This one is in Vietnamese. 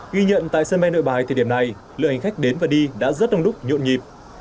ghi nhận tại sân bay nội bài thời điểm này lượng hành khách đến và đi đã rất đông đúc nhộn nhịp